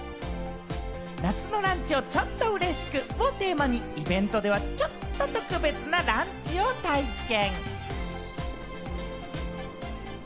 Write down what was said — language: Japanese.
夏のランチをちょっと嬉しくをテーマにイベントでは、ちょっと特別なランチを体験。